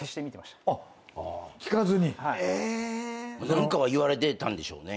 何かは言われてたんでしょうね？